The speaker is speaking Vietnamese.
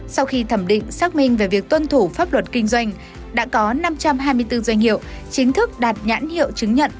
sau khi thẩm định xác minh về việc tuân thủ pháp luật kinh doanh đã có năm trăm hai mươi bốn doanh nghiệp chính thức đạt nhãn hiệu chứng nhận